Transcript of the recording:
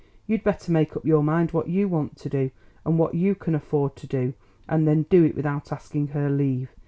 You'd better make up your mind what you want to do, and what you can afford to do, and then do it without asking her leave.